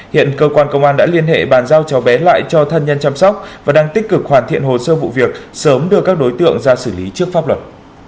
hiện cơ quan công an đã liên hệ bàn giao cho bé lại cho thân nhân chăm sóc và đang tích cực hoàn thiện hồ sơ vụ việc sớm đưa các đối tượng ra xử lý trước pháp luật